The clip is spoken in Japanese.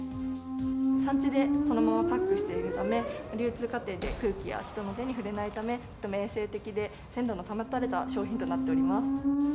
産地でそのままパックしているため、流通過程で空気や人の手に触れないため、とても衛生的で鮮度の保たれた商品となっております。